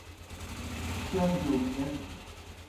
چربِیو گہ ایْک۔